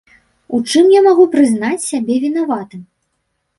У чым я магу прызнаць сябе вінаватым?